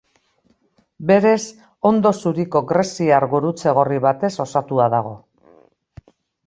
Berez, ondo zuriko greziar gurutze gorri batez osatua dago.